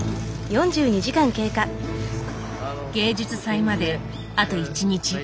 芸術祭まであと１日。